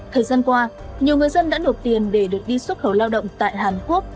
thời gian qua nhiều người dân đã nộp tiền để được đi xuất khẩu lao động tại hàn quốc